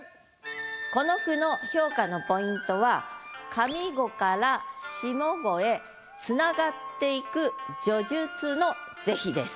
この句の評価のポイントは上五から下五へつながっていく叙述の是非です。